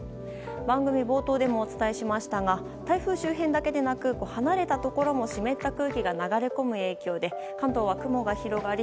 番組冒頭でもお伝えしましたが台風周辺だけでなく離れたところも湿った空気が流れ込む影響で関東は雲が広がり